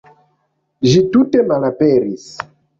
Ĝi tute malaperis.